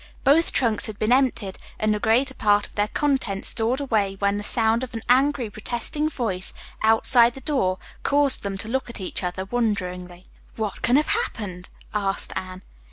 Both trunks had been emptied and the greater part of their contents stored away when the sound of an angry, protesting voice outside the door caused them to look at each other wonderingly. "What can have happened?" asked Anne.